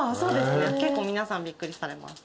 結構皆さんびっくりされます。